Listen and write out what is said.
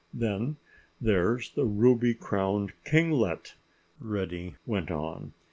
"Then there's the Ruby crowned Kinglet," Reddy went on.